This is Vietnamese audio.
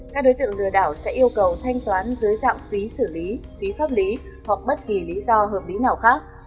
các đối tượng lừa đảo sẽ yêu cầu thanh toán dưới dạng phí xử lý phí pháp lý hoặc bất kỳ lý do hợp lý nào khác